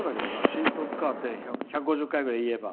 新十津川って１５０回くらい言えば。